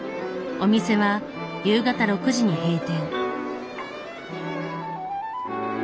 お店は夕方６時に閉店。